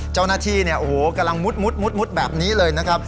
เจ้าหน้าที่กำลังมุดแบบนี้เลยนะครับ